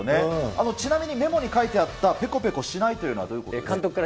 ちなみにメモに書いてあった、ぺこぺこしないというのは、どういうことですか？